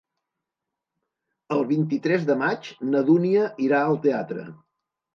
El vint-i-tres de maig na Dúnia irà al teatre.